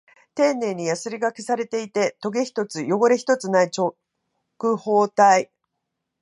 丁寧にヤスリ掛けされていて、トゲ一つ、汚れ一つない直方体。